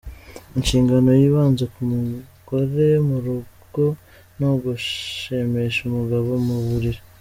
Inshingano yibanze ku mugore mu rugo ni ugushimisha umugabo mu buriri.